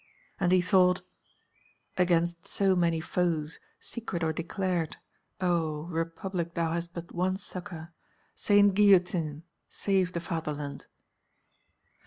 And he thought: "Against so many foes, secret or declared, oh! Republic thou hast but one succour; Saint Guillotine, save the fatherland!..."